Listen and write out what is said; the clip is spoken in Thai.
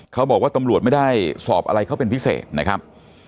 เขาบอกว่าตำรวจไม่ได้สอบอะไรเขาเป็นพิเศษนะครับ